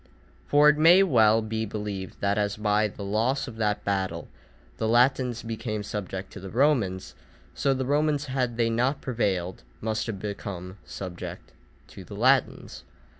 For it may well be believed that as by the loss of that battle the Latins became subject to the Romans, so the Romans had they not prevailed must have become subject to the Latins.